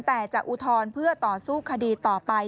แต่จะอุทธรณ์เพื่อต่อสู้คดีต่อไป